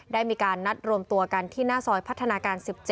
ได้มีการนัดรวมตัวกันที่หน้าซอยพัฒนาการ๑๗